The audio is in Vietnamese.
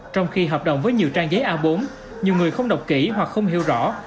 trong khi hợp đồng với nhiều trang giấy a bốn nhiều người không đọc kỹ hoặc không hiểu rõ